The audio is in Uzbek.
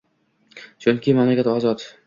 Chunki mamlakat ozod